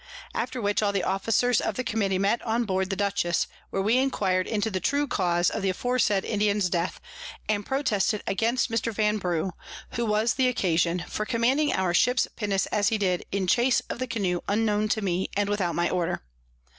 After which all the Officers of the Committee met on board the Dutchess, where we enquir'd into the true Cause of the aforesaid Indian's Death, and protested against Mr. Vanbrugh (who was the Occasion) for commanding our Ships Pinnace as he did in chase of the Canoe unknown to me, and without my Order.